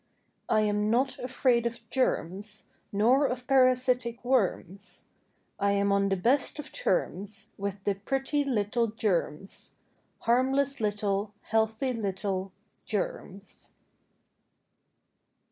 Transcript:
I am not afraid of germs, Nor of parasitic worms; I am on the best of terms With the pretty little germs— Harmless little, Healthy little Germs.